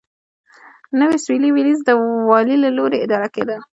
نوی سوېلي ویلز د والي له لوري اداره کېده.